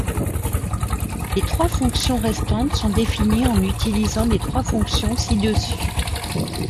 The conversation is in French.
Les trois fonctions restantes sont définies en utilisant les trois fonctions ci-dessus.